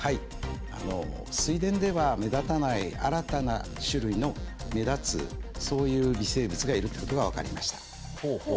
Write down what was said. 水田では目立たない新たな種類の、目立つそういう微生物がいることが分かりました。